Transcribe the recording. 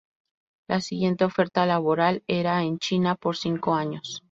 La siguiente oferta laboral era en China por cinco años.